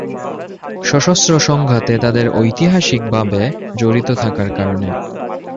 সশস্ত্র সংঘাতে তাদের ঐতিহাসিকভাবে জড়িত থাকার কারণে।